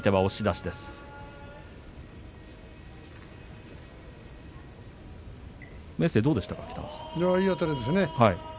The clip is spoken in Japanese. いいあたりですね。